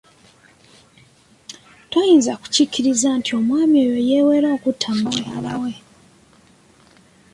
Toyinza kukiriza nti omwami oyo yeewera okutta mukyala we.